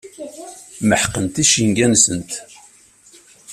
Meḥqent icenga-nsent.